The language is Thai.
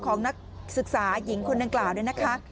ของนักศึกษาหญิงคนนักกล่าวนี่นะคะ